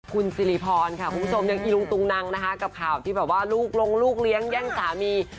คุณสิริพรค่ะคุณผู้ชมยังอีลุงตุงนังนะคะกับข่าวที่แบบว่าลูกลงลูกเลี้ยงแย่งสามี